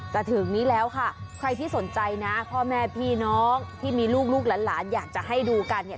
ถึงนี้แล้วค่ะใครที่สนใจนะพ่อแม่พี่น้องที่มีลูกลูกหลานอยากจะให้ดูกันเนี่ย